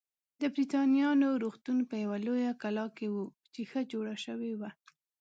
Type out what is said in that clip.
د بریتانویانو روغتون په یوه لویه کلا کې و چې ښه جوړه شوې وه.